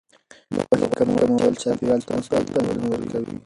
د غوښې کمول چاپیریال ته مثبت بدلون ورکوي.